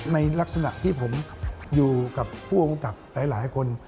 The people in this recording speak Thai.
ในลักษณะที่ผมอยู่กับผู้กำกับหลายคน